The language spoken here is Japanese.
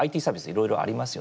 いろいろありますよね。